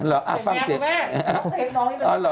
ไม่ต้องฟังเสร็จ